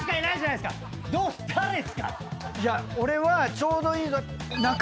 いや俺はちょうどいい。